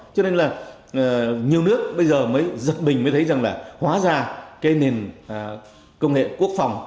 cho nên là nhiều nước bây giờ mới giật mình mới thấy rằng là hóa ra cái nền công nghệ quốc phòng